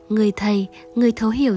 người thầy người thấu hiểu